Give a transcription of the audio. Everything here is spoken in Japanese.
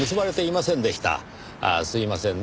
ああすいませんねぇ